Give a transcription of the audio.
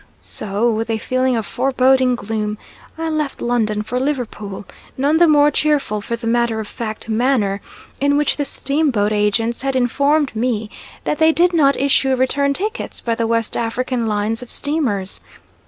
So with a feeling of foreboding gloom I left London for Liverpool none the more cheerful for the matter of fact manner in which the steamboat agents had informed me that they did not issue return tickets by the West African lines of steamers.